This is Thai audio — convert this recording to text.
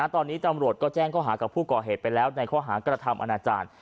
ตอนนี้ตำรวจก็แจ้งข้อหากับผู้ก่อเหตุไปแล้วในข้อหากระทำอนาจารย์